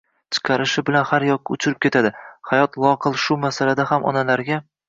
chiqarishi bilan har yoqqa uchirib ketadi. Hayot loaqal shu masalada ham onalarga